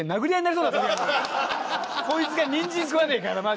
こいつがニンジン食わねえからマジで。